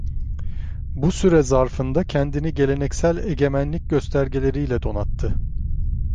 Bu süre zarfında kendini geleneksel egemenlik göstergeleriyle donattı.